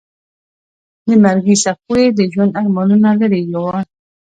د مرګي څپو یې د ژوند ارمانونه لرې یوړل.